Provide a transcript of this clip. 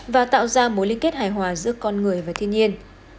và tạo ra mối liên kết hài hòa giữa con người và thiên nhiên